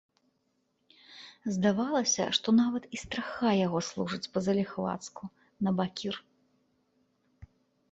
Здавалася, што нават і страха яго служыць па-заліхвацку набакір.